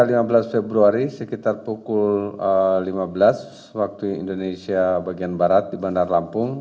di hotel kedua tim mengemankan lima orang yaitu tr aan adr i dan k